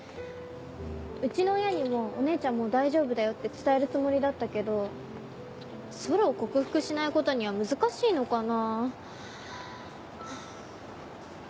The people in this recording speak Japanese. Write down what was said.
うちの親にもお姉ちゃんもう大丈夫だよって伝えるつもりだったけどソロを克服しないことには難しいのかな。